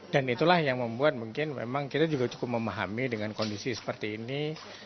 dan itulah yang membuat mungkin memang kita juga cukup memahami dengan kondisi seperti ini